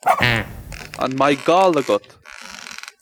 An mbeidh gal agat?